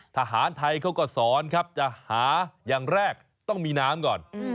ทหารไทยเขาก็สอนครับจะหาอย่างแรกต้องมีน้ำก่อน